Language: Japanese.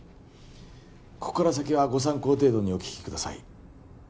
ここから先はご参考程度にお聞きください